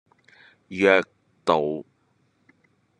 約道